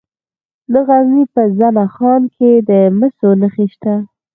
د غزني په زنه خان کې د مسو نښې شته.